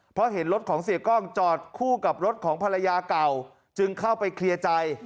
เพราะเห็นรถของเสียกล้องจอดคู่กับรถของภรรยาเก่าจึงเข้าไปเคลียร์ใจ